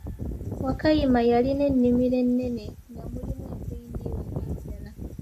Wakayima yalina ennimiro ennene nga mulimu enva endiirwa n'ebibala.